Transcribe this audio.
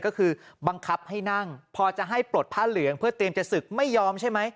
ก็คือบังคับให้นั่งพอจะให้ปลดผ้าเหลืองเพื่อเตรียมจะศึกไม่ยอมใช่ไหม